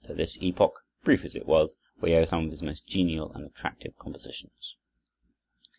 To this epoch, brief as it was, we owe some of his most genial and attractive compositions.